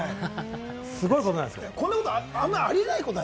すごいことなんですよ。